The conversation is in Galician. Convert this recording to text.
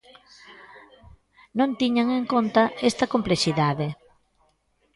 Non tiñan en conta esta complexidade.